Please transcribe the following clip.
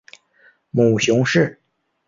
母熊氏。